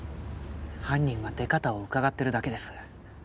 犯人は出方をうかがってるだけです